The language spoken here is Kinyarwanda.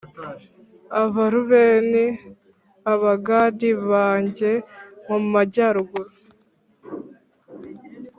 Abarubeni Abagadi bajye mumajyaruguru